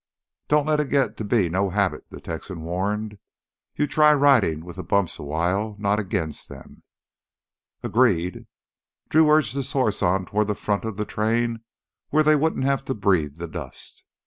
"Don't let it git to be no habit," the Texan warned. "You try ridin' with th' bumps awhile, not agin them!" "Agreed." Drew urged his horse on toward the front of the train where they wouldn't have to breathe the dust.